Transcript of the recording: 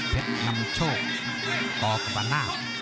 เผ็ดนำโชคต่อกับอันน่า